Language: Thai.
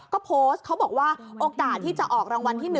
ก็โพสต์เขาบอกว่าโอกาสที่จะออกรางวัลที่๑